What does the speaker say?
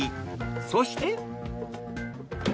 そして。